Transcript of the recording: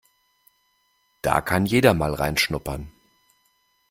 Da kann jeder mal reinschnuppern.